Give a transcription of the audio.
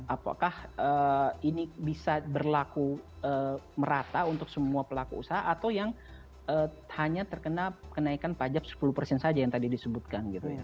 apakah ini bisa berlaku merata untuk semua pelaku usaha atau yang hanya terkena kenaikan pajak sepuluh persen saja yang tadi disebutkan gitu ya